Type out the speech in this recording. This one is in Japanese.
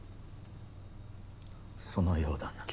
そのようだな。